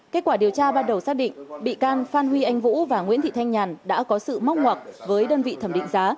kết quả điều tra ban đầu xác định bị can phan huy anh vũ và nguyễn thị thanh nhàn đã có sự móc ngoặc với đơn vị thẩm định giá